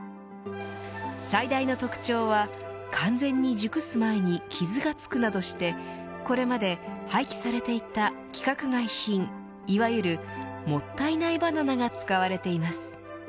最大の特徴は完全に熟す前に傷が付くなどしてこれまで廃棄されていた規格外品いわゆるもったいないバナナが使われています。